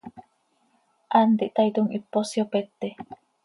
Hant ihtaaitom, hipos yopete.